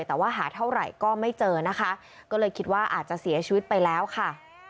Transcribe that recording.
แต่ว่าหาเท่าไหร่ก็ไม่เจอนะคะก็เลยคิดว่าอาจจะเสียชีวิตไปแล้วค่ะ